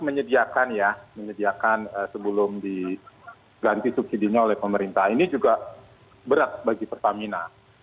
menyediakan ya menyediakan sebelum diganti subsidi nya oleh pemerintah ini juga berat bagi pertamina